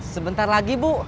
sebentar lagi bu